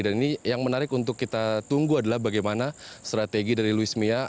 dan ini yang menarik untuk kita tunggu adalah bagaimana strategi dari louis mia